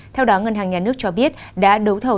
theo đó ngân hàng nhà nước cho biết đã đấu thầu